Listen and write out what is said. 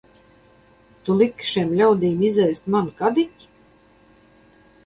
Tu liki šiem ļaudīm izēst manu kadiķi!